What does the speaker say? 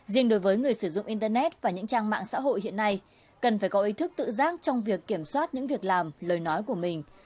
riêng đối với người sử dụng internet và những trang mạng xã hội hiện nay cần phải có ý thức tự giác trong việc kiểm soát những việc làm lời nói của mình